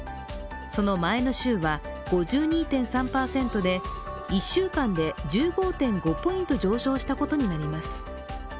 その前の週は５２．３％で、１週間で１５．５ポイント上昇したことになります。